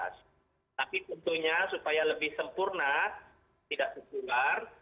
tapi tentunya supaya lebih sempurna tidak tertular